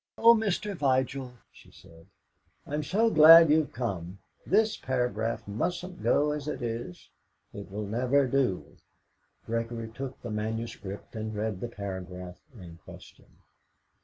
"Oh, Mr. Vigil," she said, "I'm so glad you've come. This paragraph mustn't go as it is. It will never do." Gregory took the manuscript and read the paragraph in question.